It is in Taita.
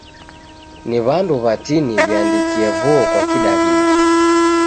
Ni w'andu w'atini w'iandikie vuo kwa Kidaw'ida.